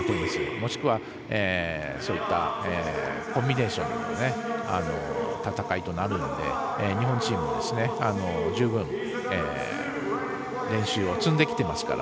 もしくは、そういったコンビネーションの戦いとなるので日本チームも、十分練習を積んできていますから。